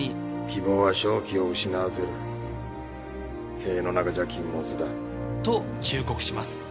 希望は正気を失わせる塀の中じゃ禁物だ。と忠告します。